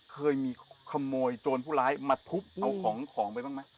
เคยมีขโมยโจรผู้ร้ายมาทุบเอาของของไปบ้างไหม